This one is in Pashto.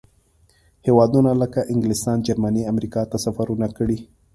هېوادونو لکه انګلستان، جرمني، امریکا ته سفرونه کړي.